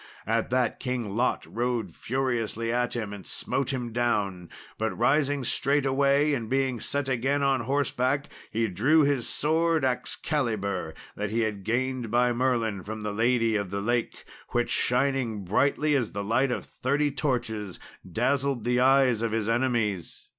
At that, King Lot rode furiously at him, and smote him down; but rising straightway, and being set again on horseback, he drew his sword Excalibur that he had gained by Merlin from the lady of the lake, which, shining brightly as the light of thirty torches, dazzled the eyes of his enemies.